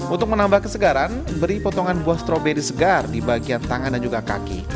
untuk menambah kesegaran beri potongan buah stroberi segar di bagian tangan dan juga kaki